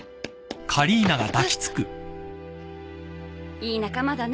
いい仲間だね。